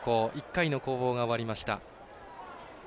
１回の攻防が終わりました。